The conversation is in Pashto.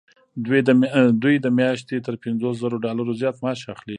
دوی د میاشتې تر پنځوس زرو ډالرو زیات معاش اخلي.